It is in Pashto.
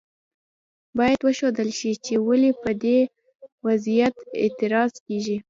باید وښودل شي چې ولې پر دې وضعیت اعتراض کیږي.